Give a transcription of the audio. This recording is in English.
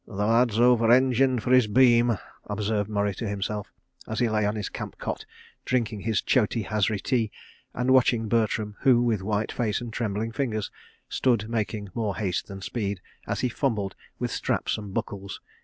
"The lad's over engined for his beam," observed Murray to himself, as he lay on his camp cot, drinking his choti hazri tea, and watching Bertram, who, with white face and trembling fingers, stood making more haste than speed, as he fumbled with straps and buckles.